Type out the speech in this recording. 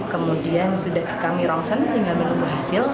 kemudian sudah dikami romsen tinggal menunggu hasil